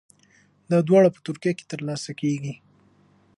دا دواړه په ترکیه کې ترلاسه کیږي.